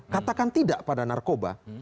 katakan tidak pada narkoba